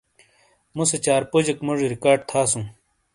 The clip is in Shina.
مُو سے چار پوجیک موجی ریکارڈ تھاسوں۔